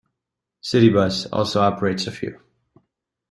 Citybus also operates a few.